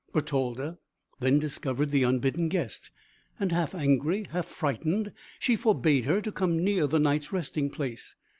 Bertalda then discovered the unbidden guest, and half angry, half frightened, she forbade her to come near the Knight's resting place.